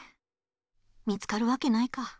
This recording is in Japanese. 見つかるわけないか。